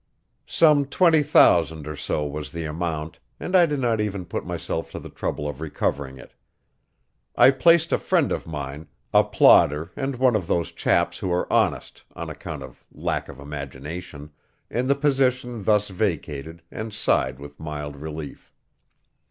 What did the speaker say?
Some twenty thousand or so was the amount, and I did not even put myself to the trouble of recovering it. I placed a friend of mine, a plodder and one of those chaps who are honest on account of lack of imagination, in the position thus vacated and sighed with mild relief.